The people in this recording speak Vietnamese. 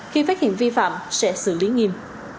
khi phát hiện vi phạm sẽ xử lý nghiêm